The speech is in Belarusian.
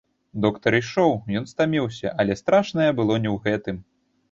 Доктар ішоў, ён стаміўся, але страшнае было не ў гэтым.